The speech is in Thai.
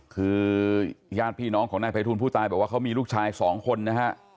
คือญาติพี่น้องของนายภัยทูลผู้ตายบอกว่าเขามีลูกชายสองคนนะฮะ